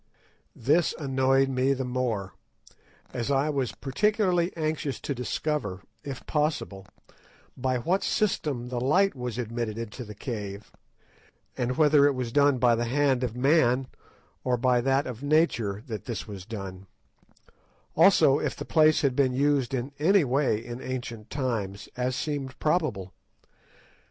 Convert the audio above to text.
This annoyed me the more, as I was particularly anxious to discover, if possible, by what system the light was admitted into the cave, and whether it was by the hand of man or by that of nature that this was done; also if the place had been used in any way in ancient times, as seemed probable.